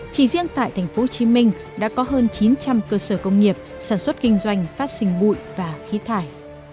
chỉ riêng tại tp hcm đã có hơn chín trăm linh cơ sở công nghiệp sản xuất kinh doanh phát sinh bụi và khí thải